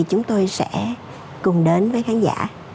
chúng tôi sẽ cùng đến với khán giả